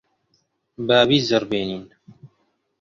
با بیجەڕبێنین.